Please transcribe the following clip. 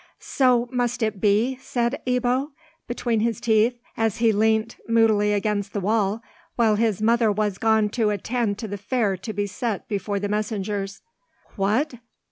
"So must it be?" said Ebbo, between his teeth, as he leant moodily against the wall, while his mother was gone to attend to the fare to be set before the messengers. "What!